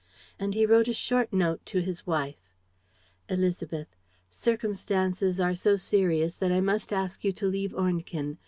And he wrote a short note to his wife: "Élisabeth: "Circumstances are so serious that I must ask you to leave Ornequin.